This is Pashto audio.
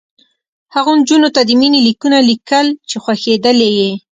هغو نجونو ته د مینې لیکونه لیکل چې خوښېدلې یې